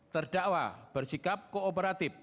terdakwa bersikap kooperatif